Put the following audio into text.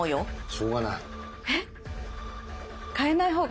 しょうがない。え？